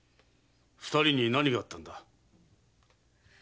二人に何があったんだ。